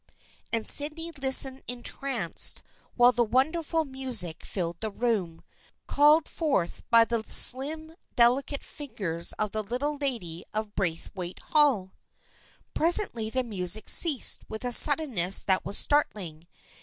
And Sydney listened entranced while the won derful music filled the room, called forth by the slim delicate fingers of the Little Lady of Braith waite Hall. Presently the music ceased with a suddenness that was startling.